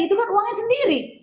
itu kan uangnya sendiri